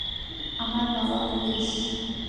আমার বাবা পুলিশ।